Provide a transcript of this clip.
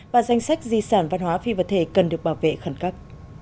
và danh sách di sản văn hóa phi vật thể cần được bảo vệ khẩn cấp